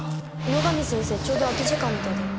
野上先生ちょうど空き時間みたいだよ。